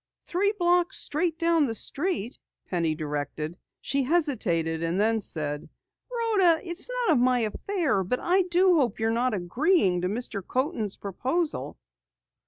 "Three blocks straight down the street," Penny directed. She hesitated and then said: "Rhoda, it's none of my affair, but I do hope you're not agreeing to Mr. Coaten's proposal."